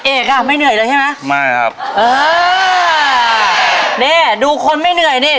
เอกอ่ะไม่เหนื่อยเลยใช่ไหมไม่ครับเออนี่ดูคนไม่เหนื่อยนี่